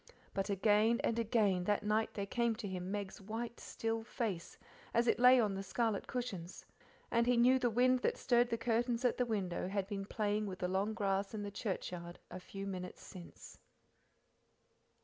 But again and again that night there came to him Meg's white, still face as it lay on the scarlet cushions, and he knew the wind that stirred the curtains at the window had been playing with the long grass in the churchyard a few minutes since.